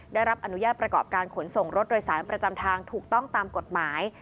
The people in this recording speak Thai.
ได้รับอนุญาตประกอบการขนส่งรถโดยสารประจำทางถูกต้องตามกฎหมาย